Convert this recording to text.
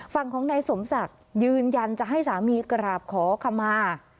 ฝั่งของนายสมศักดิ์ยืนยันจะให้สามีกราบขอขมา